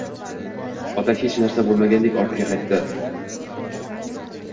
Ota hech narsa bo`lmagandek ortiga qaytdi